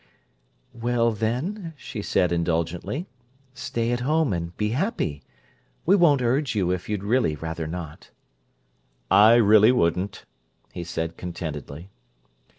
"Well, then," she said indulgently, "stay at home and be happy. We won't urge you if you'd really rather not." "I really wouldn't," he said contentedly.